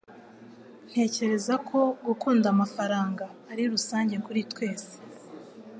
Ntekereza ko gukunda amafaranga ari rusange kuri twese.